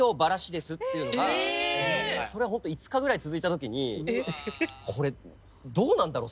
それが本当５日ぐらい続いた時にこれどうなんだろう？